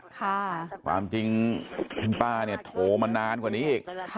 ค่ะความจริงขุมป้าเนี่ยโทรมานานกว่านี้